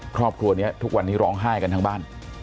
ครอบครัวนี้ทุกวันนี้ร้องไห้กันทั้งบ้าน